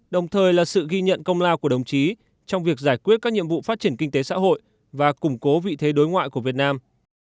đồng thời là sự ghi nhận công lao của đồng chí trong việc giải quyết các nhiệm vụ phát triển kinh tế xã hội và củng cố vị thế đối ngoại của việt nam